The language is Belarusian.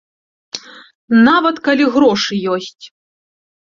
Нават калі грошы ёсць.